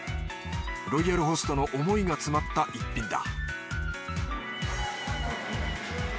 ロイヤルホストの思いが詰まった逸品だ